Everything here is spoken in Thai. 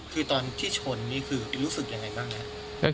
คือตอนที่ชนคือรู้สึกยังไงบ้าง